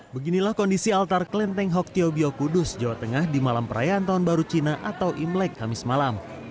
beginilah kondisi altar klenteng hoktyo byokudus jawa tengah di malam perayaan tahun baru cina atau imlek hamis malam